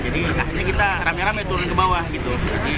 jadi ini kita rame rame turun ke bawah gitu